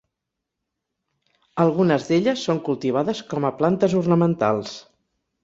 Algunes d'elles són cultivades com a plantes ornamentals.